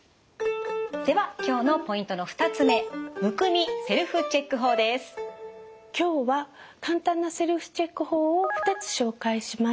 では今日のポイントの２つ目今日は簡単なセルフチェック法を２つ紹介します。